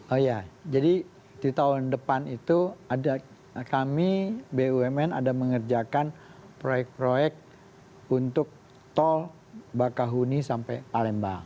oh iya jadi di tahun depan itu ada kami bumn ada mengerjakan proyek proyek untuk tol bakahuni sampai palembang